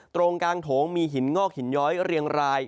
ตรงกลางโถงมีหินงอกหินย้อยเรียงราย